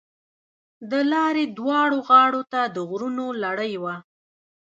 د لارې دواړو غاړو ته د غرونو لړۍ وه.